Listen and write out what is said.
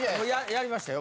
やりましたよ。